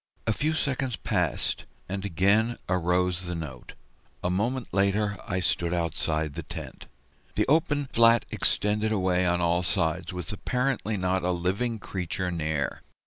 A few seconds passed, and again arose the note; a moment later I stood outside the tent. The open flat extended away on all sides, with apparently not a living creature near.